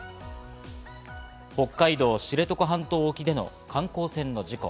北海道知床半島沖での観光船の事故。